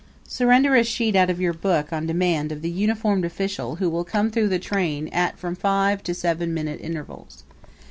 Surrender a sheet out of your book on demand of the uniformed official who will come through the train at from five to seven minute intervals.